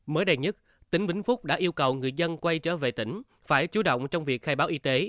mới đây nhất tỉnh vĩnh phúc đã yêu cầu người dân quay trở về tỉnh phải chú động trong việc khai báo y tế